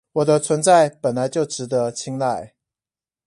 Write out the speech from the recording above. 我的存在本來就值得青睞